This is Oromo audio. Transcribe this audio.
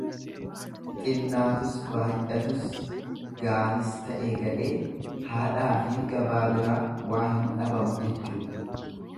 Xinnaatus, baay'atus, gaariis ta'e gadhee, haadhaafi gabaa biraa waa hin dhabamu jechuudha.